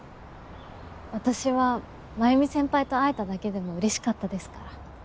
私は繭美先輩と会えただけでも嬉しかったですから。